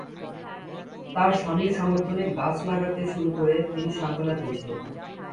তার স্বামীর সমর্থনে, গাছ লাগাতে শুরু করে, তিনি সান্ত্বনা পেয়েছিলেন।